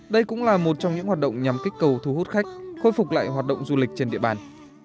đây cũng là một trong những hoạt động nhằm kích cầu thu hút khách khôi phục lại hoạt động du lịch trên địa bàn